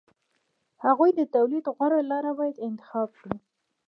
هغوی د تولید غوره لار باید انتخاب کړي